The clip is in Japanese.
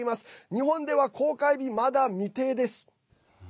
日本では公開日、まだ未定です。